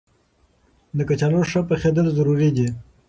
د کچالو ښه پخېدل ضروري دي.